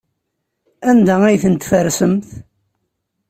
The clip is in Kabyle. Anda ay tent-tfersemt?